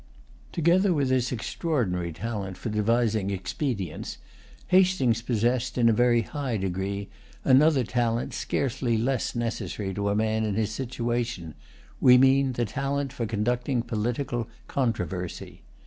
Together with this extraordinary talent for devising expedients, Hastings possessed, in a very high degree, another talent scarcely less necessary to a man in his situation, we mean the talent for conducting political controversy.